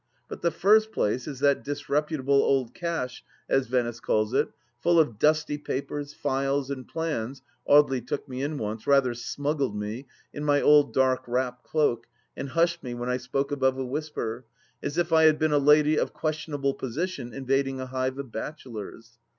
But the first place is that disreputable old cache, as Venice calls it, full of dusty papers, files, and plans (Audely took me in once — rather smuggled me — in my old dark wrap cloak and " hushed " me when I spoke above a whisper, as if I had been a lady of questionable position invading a hive of bachelors